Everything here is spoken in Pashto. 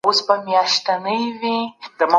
غړي د هېواد پر راتلونکي بحث کوي.